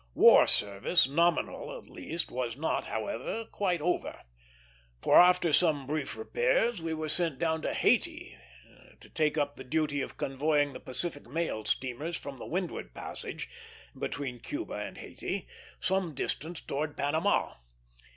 War service, nominal at least, was not, however, quite over; for after some brief repairs we were sent down to Haïti to take up the duty of convoying the Pacific Mail steamers from the Windward Passage (between Cuba and Haïti) some distance towards Panama.